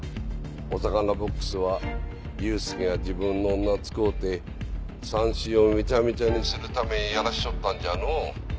お魚ボックスは祐介が自分の女使うてさんしをめちゃめちゃにするためやらしちょったんじゃのう。